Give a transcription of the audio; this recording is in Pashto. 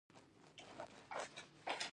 ایا زه باید سرکه وخورم؟